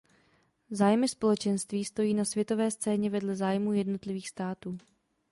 Zájmy Společenství stojí na světové scéně vedle zájmů jednotlivých států.